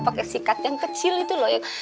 pakai sikat yang kecil itu loh ya